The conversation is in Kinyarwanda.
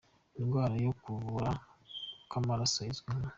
indwara yo kuvura kw’amaraso izwi nka